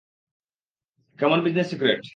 কেমন business secret?